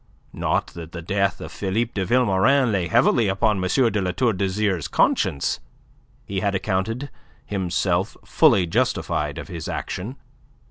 Not that the death of Philippe de Vilmorin lay heavily upon M. de La Tour d'Azyr's conscience. He had accounted himself fully justified of his action.